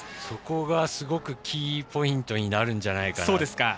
そこがすごくキーポイントになるんじゃないかな。